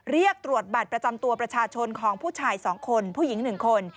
เรียกตรวจบัตรประจำตัวประชาชนของผู้ชาย๒คนผู้หญิง๑คน